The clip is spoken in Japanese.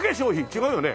違うよね？